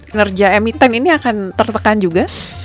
ngerja emiten ini akan tertekan juga